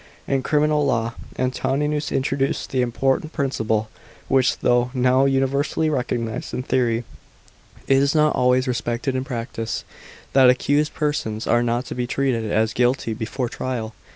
In criminal law, Antoninus introduced the important principle, which, though now universally recognised in theory, is not always respected in practice, that accused persons are not to be treated as guilty before trial.